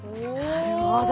なるほど。